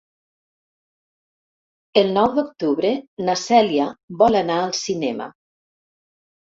El nou d'octubre na Cèlia vol anar al cinema.